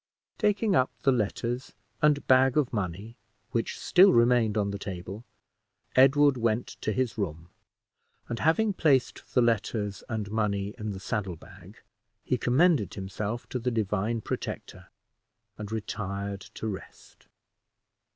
Taking up the letters and bag of money, which still remained on the table, Edward went to his room, and having placed the letters and money in the saddle bag, he commended himself to the Divine Protector, and retired to rest.